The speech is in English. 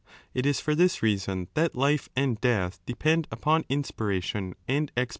It is for this reason that 4 life and death depend upon inspiration and expiration.